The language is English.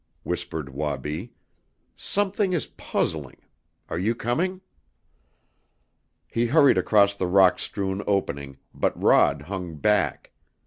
whispered Wabi. "Something is puzzling Mukoki. Are you coming?" He hurried across the rock strewn opening, but Rod hung back.